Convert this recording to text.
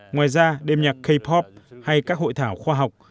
ngoài ra đêm nhạc ca pop hay các hội thảo khoa học